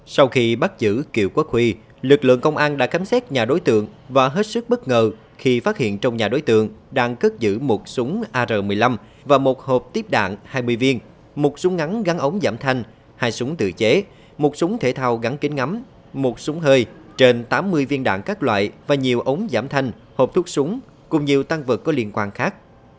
sau khi bắt giữ kiều quốc huy lực lượng công an đã khám xét nhà đối tượng và hết sức bất ngờ khi phát hiện trong nhà đối tượng đang cất giữ một súng ar một mươi năm và một hộp tiếp đạn hai mươi viên một súng ngắn gắn ống giảm thanh hai súng tự chế một súng thể thao gắn kính ngắm một súng hơi trên tám mươi viên đạn các loại và nhiều ống giảm thanh hộp thuốc súng cùng nhiều tăng vật có liên quan khác